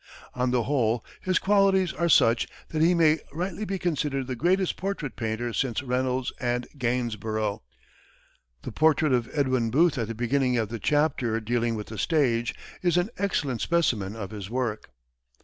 On the whole, his qualities are such that he may rightly be considered the greatest portrait painter since Reynolds and Gainsborough. The portrait of Edwin Booth, at the beginning of the chapter dealing with the stage, is an excellent specimen of his work.